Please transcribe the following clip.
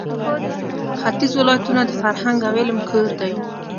ختیځ ولایتونه د فرهنګ او علم کور دی.